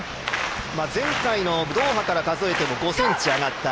前回のドーハから数えても５ｃｍ上がった。